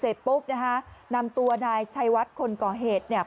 เสร็จปุ๊บนะคะนำตัวนายชัยวัดคนก่อเหตุเนี่ย